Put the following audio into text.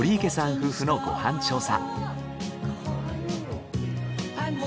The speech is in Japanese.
夫婦のご飯調査。